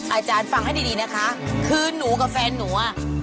อาจารย์ฟังให้ดีดีนะคะคือหนูกับแฟนหนูอ่ะ